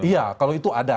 iya kalau itu ada